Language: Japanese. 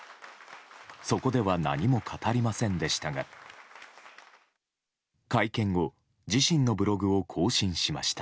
そこでは何も語りませんでしたが会見後、自身のブログを更新しました。